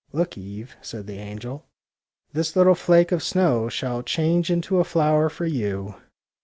'' Look, Eve," said the angel. " This little flake of snow shall change into a flower for you.